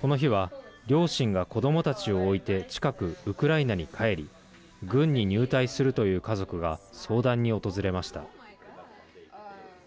この日は、両親が子どもたちを置いて近くウクライナに帰り軍に入隊するという家族が相談に訪れました。